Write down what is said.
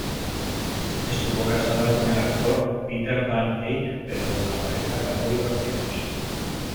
Estuvo casada con el actor Peter Van Eyck, pero la pareja acabó divorciándose.